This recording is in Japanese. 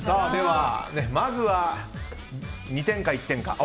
まずは２点か１点か。